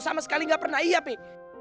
sama sekali gak pernah iya p